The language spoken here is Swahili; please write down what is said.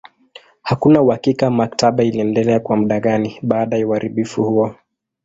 Hakuna uhakika maktaba iliendelea kwa muda gani baada ya uharibifu huo.